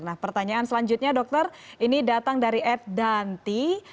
nah pertanyaan selanjutnya dokter ini datang dari ed danti